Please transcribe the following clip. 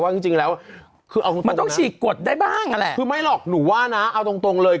ว่าจริงแล้วคือเอาตรงตรงนะคือไม่หรอกหนูว่านะเอาตรงเลย